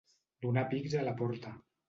Donar pics a la porta.